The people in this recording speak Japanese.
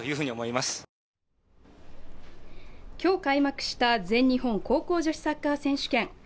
今日開幕した全日本高校女子サッカー選手権。